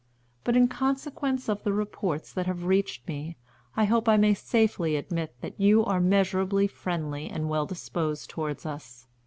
But, in consequence of the reports that have reached me, I hope I may safely admit that you are measurably friendly and well disposed toward us.